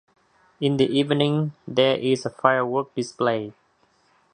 In the evening there is a firework display.